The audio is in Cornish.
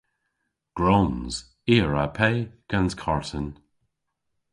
Gwrons. I a wra pe gans karten.